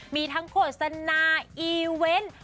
มีทั้งโฆษณาอีเวนต์